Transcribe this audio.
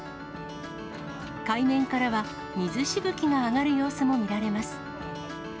海面からは、水しぶきが上がる様子も見られます。